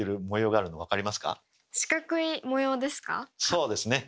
そうですね。